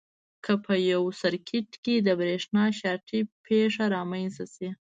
که په یو سرکټ کې د برېښنا شارټي پېښه رامنځته شي.